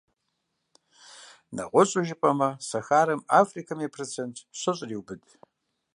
Нэгъуэщӏу жыпӏэмэ, Сахарэм Африкэм и процент щэщӏыр еубыд.